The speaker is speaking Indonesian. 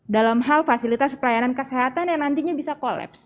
dalam hal fasilitas pelayanan kesehatan yang nantinya bisa kolaps